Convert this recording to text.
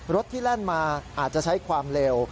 รถที่แล่นมาอาจจะใช้ความเร็ว